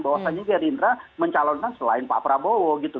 bahwasannya gerindra mencalonkan selain pak prabowo gitu